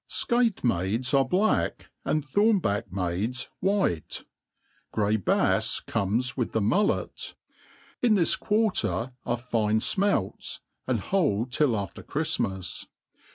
' Scate maides are black, and thornback maides whlte^ Grey bafs comes with the mullet* In this quarter are fine fmelts, and hold till after Chrift mas.